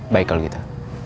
baik kalau gitu